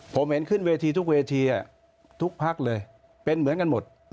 ผมเห็นขึ้นเวทีทุกเวทีทุกภักดิ์เลยเป็นเหมือนกันหมด